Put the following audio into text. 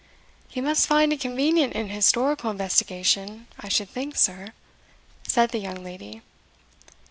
"He must find it convenient in historical investigation, I should think, sir?" said the young lady.